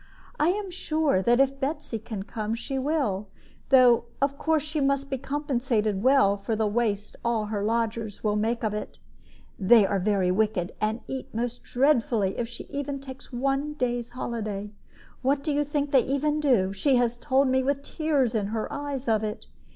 "I am sure that if Betsy can come, she will; though of course she must be compensated well for the waste all her lodgers will make of it. They are very wicked, and eat most dreadfully if she even takes one day's holiday. What do you think they even do? She has told me with tears in her eyes of it.